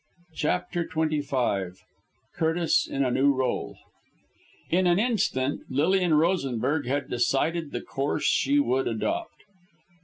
CHAPTER XXV CURTIS IN A NEW RÔLE In an instant, Lilian Rosenberg had decided the course she would adopt.